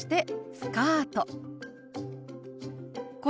「スカート」。